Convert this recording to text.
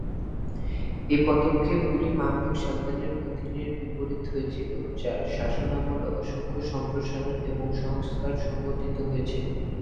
এই পদক্ষেপগুলি মামলুক সালতানাতের অধীনে বিপরীত হয়েছিল, যার শাসনামলে অসংখ্য সম্প্রসারণ এবং সংস্কার সংঘটিত হয়েছিল।